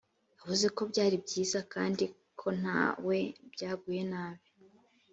avuze ko byari byiza kandi ko nta we byaguye nabi